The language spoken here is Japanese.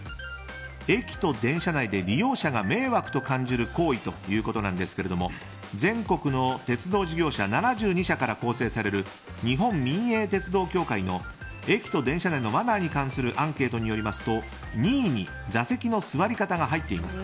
駅と電車内で利用者が迷惑と感じる行為ですが全国の鉄道事業者７２社から構成される日本民営鉄道協会の駅と電車内のマナーに関するアンケートによりますと２位に座席の座り方が入っています。